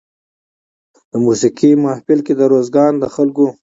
د موسېقۍ محفل کې د روزګان د خلکو